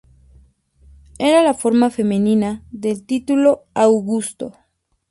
Era la forma femenina del título Augusto.